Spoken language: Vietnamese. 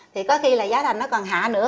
thì có khi là giá thành nó còn hạ nữa